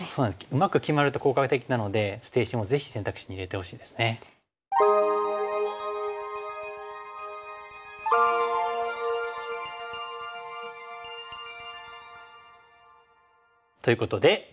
うまく決まると効果的なので捨て石もぜひ選択肢に入れてほしいですね。ということで。